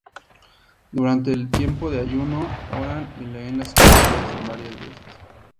Durante el tiempo de ayuno oran y leen las escrituras varias veces.